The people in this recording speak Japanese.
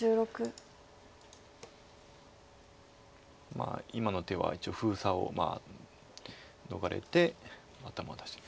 まあ今の手は一応封鎖を逃れて頭出し。